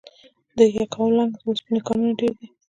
د یکاولنګ د اوسپنې کانونه ډیر دي؟